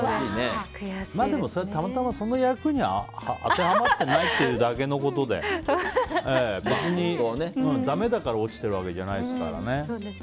でも、それはたまたまその役に当てはまってないというだけのことで別に、だめだから落ちてるわけじゃないですからね。